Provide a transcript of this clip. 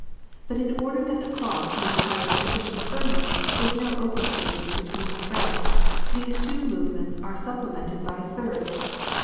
But in order that the cloth may acquire suf ficient firmness, with no open spaces between the threads, these two movements are supplemented by a third.